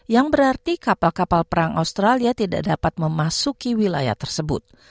yang berarti kapal kapal perang australia tidak dapat memasuki wilayah tersebut